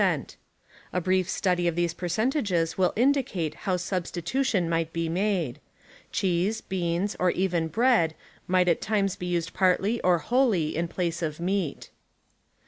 A brief study of these percentages will indicate how substitution might be made. Cheese, beans or even bread might at times be used partl}^ or wholly in place of meat.